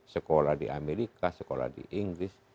sekolah di amerika sekolah di inggris